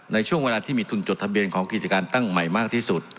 ในช่วงเวลาที่มีทุนจดทะเบียนของกิจการตั้งใหม่มากที่สุด